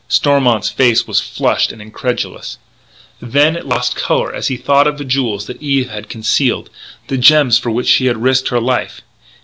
Stormont's face was flushed and incredulous. Then it lost colour as he thought of the jewels that Eve had concealed the gems for which she had risked her life.